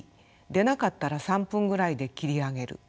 出なかったら３分ぐらいで切り上げる。